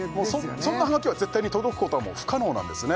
そんなはがきは絶対に届くことはもう不可能なんですね